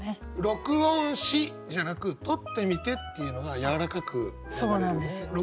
「録音し」じゃなく「録ってみて」っていうのがやわらかく流れるよね。